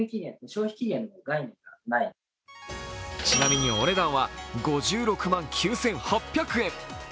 ちなみにお値段は５６万９８００円。